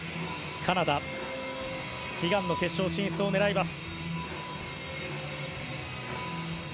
カナダ悲願の決勝進出を狙います。